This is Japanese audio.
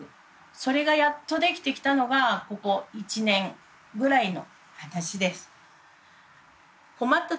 それがやっとできてきたのがここ１年ぐらいの私です。